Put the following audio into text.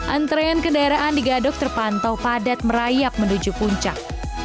antrean kendaraan di gadok terpantau padat merayap menuju puncak